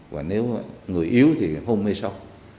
và nếu người yếu thì hôm mê sau